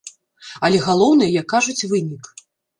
Але галоўнае, як кажуць, вынік.